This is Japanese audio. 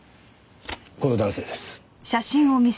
この男性です。